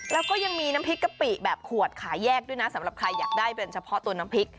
แล้วก็ยังมีน้ำพริกกะปิแบบขวดขายแยกด้วยนะสำหรับใครอยากได้เป็นเฉพาะตัวน้ำพริก